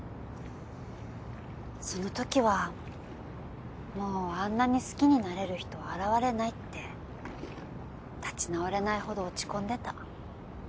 そのときはもうあんなに好きになれる人は現れないって立ち直れないほど落ち込んでた。